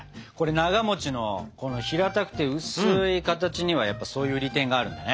ながのこの平たくて薄い形にはやっぱりそういう利点があるんだね。